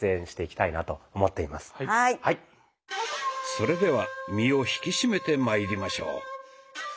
それでは身を引き締めてまいりましょう。